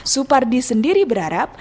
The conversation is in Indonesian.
supardi sendiri berharap